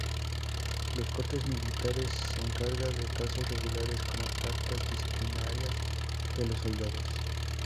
Las cortes militares se encarga de casos regulares, como faltas disciplinarias de los soldados.